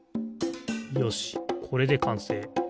よしこれでかんせい。